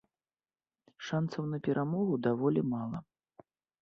Шанцаў на перамогу даволі мала.